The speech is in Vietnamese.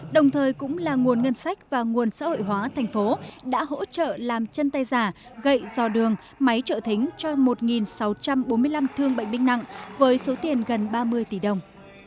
đồng thời cũng là nguồn ngân sách và nguồn xã hội hóa thành phố đã hỗ trợ làm chân tay giả gậy dò đường máy trợ thính cho một sáu trăm bốn mươi năm thương bệnh binh nặng với số tiền gần ba mươi tỷ đồng